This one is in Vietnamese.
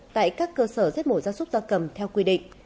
tại các cơ sở giết mổ gia súc gia cầm theo quy định